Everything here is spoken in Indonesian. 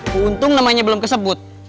keuntung namanya belum kesebut